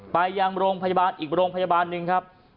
ไปยังโรงพยาบาลอีกโรงพยาบาลหนึ่งครับ